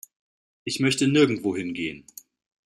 Ich möchte nirgendwohin gehen.